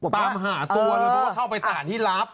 ตามหาตัวเข้าไปสถานที่รับ